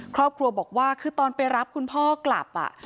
ครอบครัวบอกว่าคือตอนไปรับคุณพ่อกลับ